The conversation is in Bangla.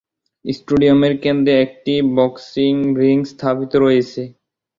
স্টেডিয়ামের কেন্দ্রে একটি বক্সিং রিং স্থাপিত রয়েছে।